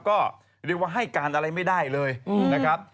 ก็เรียกว่าให้การอะไรไม่ได้เลยนะครับ